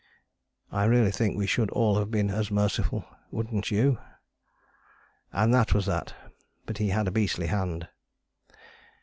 I really think we should all have been as merciful! Wouldn't you? And that was that: but he had a beastly hand.